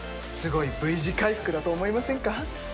すごいＶ字回復だと思いませんか？